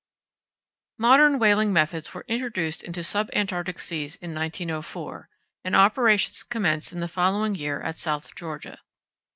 Modern whaling methods were introduced into sub Antarctic seas in 1904, and operations commenced in the following year at South Georgia.